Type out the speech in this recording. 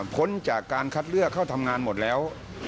พ้นจากการคัดเลือกเข้าทำงานหมดแล้ว